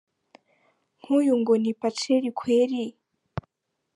Nk uyu ngo ni Paceli kwerii